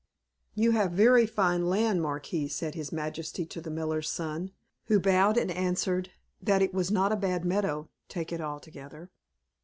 "You have very fine land, Marquis," said his majesty to the miller's son; who bowed, and answered "that it was not a bad meadow, take it altogether."